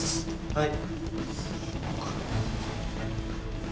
はい。